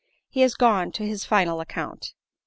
He is gone to his final account.